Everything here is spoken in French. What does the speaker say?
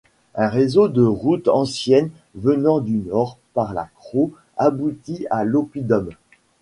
Un réseau de routes anciennes venant du nord par la Crau aboutit à l'oppidum.